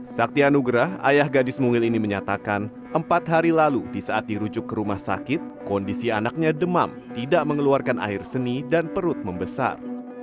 sakti anugerah ayah gadis mungil ini menyatakan empat hari lalu di saat dirujuk ke rumah sakit kondisi anaknya demam tidak mengeluarkan air seni dan perut membesar